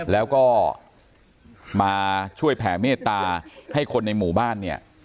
แล้วก็มาช่วยแผ่เมตตาให้คนในหมู่บ้านเนี่ย